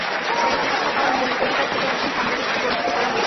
ফলে চিকিত্সা পাওয়ার মৌলিক অধিকার থেকে একজন সাংবাদিককে বঞ্চিত করা হয়েছে।